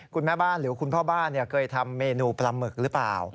คุณแม่บ้านหรือคุณพ่อบ้านเคยทำเมนูปลาหมึกหรือเปล่า